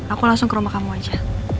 aku langsung ke rumah kamu aja